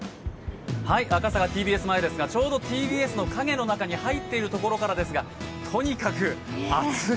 赤坂ＴＢＳ前ですがちょうどＴＢＳの影に入っているところからですが、とにかく暑い。